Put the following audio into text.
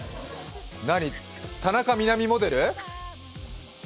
田中みな実モデル？